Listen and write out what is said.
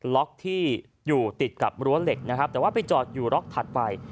ล็อกที่อยู่ติดกับรั้วเหล็กนะครับแต่ว่าไปจอดอยู่ล็อกถัดไป